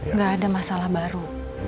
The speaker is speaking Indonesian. nggak ada masalah baru